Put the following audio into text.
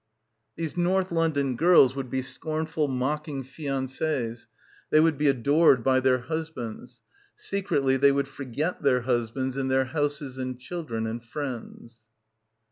These North London girls would be scornful mocking fiancees. They would be adored by their husbands. Secretly they would forget their husbands in their houses and children and friends.